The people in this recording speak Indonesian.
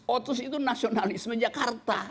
otsus itu nasionalisme jakarta